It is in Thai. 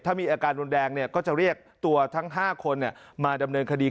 ถ้ามีอาการรุนแรงก็จะเรียกตัวทั้ง๕คนมาดำเนินคดี